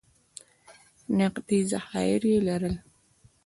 نغدي ذخایر یې لرل.